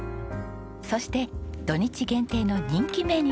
そして土日限定の人気メニューが。